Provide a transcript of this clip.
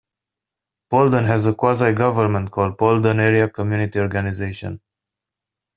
Paulden has a quasi government called Paulden Area Community Organization.